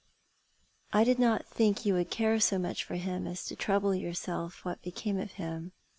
"I did not think you would care so much for him as to trouble yourself what became of him.